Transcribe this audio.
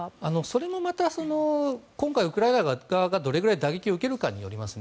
それもまた今回ウクライナ側がどれぐらい打撃を受けるかによります。